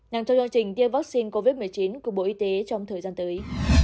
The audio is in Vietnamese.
nằm trong chương trình tiêm vắc xin covid một mươi chín của bộ y tế trong thời gian tới